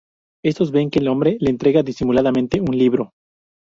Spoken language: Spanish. Estos ven que un hombre le entrega disimuladamente un libro.